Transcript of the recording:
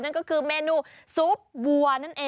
นั่นก็คือเมนูซุปวัว